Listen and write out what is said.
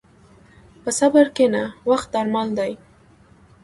په صبر کښېنه، وخت درمل دی.